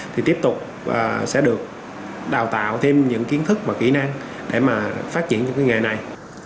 thì tiếp tục sẽ được đào tạo thêm những kiến thức và kỹ năng để mà phát triển cho cái nghề này